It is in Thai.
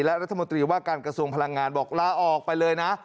และรัฐมนตรีว่าการกระทรวงพลังงานบอกลาออกไปเลยนะ